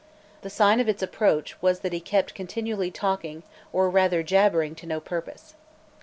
The sign of its, approach was that he kept continually talking, or rather jabbering, to no purpose.